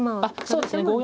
あっそうですね